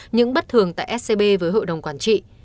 những bất thường tại scb với hội đồng quản trị